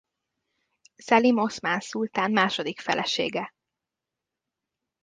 Szelim oszmán szultán második felesége.